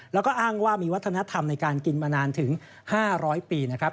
แล้วก็อ้างว่ามีวัฒนธรรมในการกินมานานถึง๕๐๐ปีนะครับ